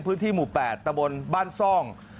พื้นที่หมู่๘ตะบนบ้านซ่อง